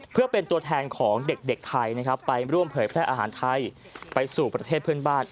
เพื่อเป็นตัวแทนของเด็กไทยนะครับไปร่วมเผยแพร่อาหารไทยไปสู่ประเทศเพื่อนบ้าน